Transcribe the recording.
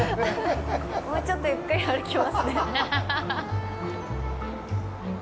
もうちょっとゆっくり歩きますね。